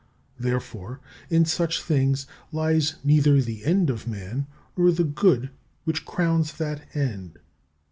Therefore, in such things lies neither the end of man nor the good which crowns that end.